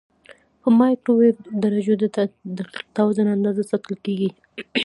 په مایکرو درجو د دقیق توازن اندازه ساتل کېږي.